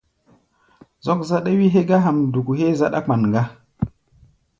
Zɔ́k záɗá wí hégá hamduku héé záɗá-kpan gá.